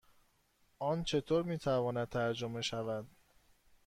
آن چطور می تواند ترجمه شود؟